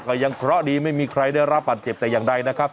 ก็ยังเคราะห์ดีไม่มีใครได้รับบัตรเจ็บแต่อย่างใดนะครับ